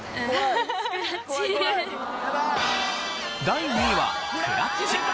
第２位はクラッチ。